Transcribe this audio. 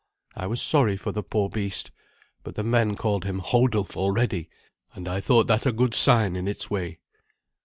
I was sorry for the poor beast, but the men called him "Hodulf," already, and I thought that a good sign in its way.